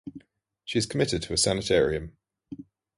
She is committed to a sanitarium.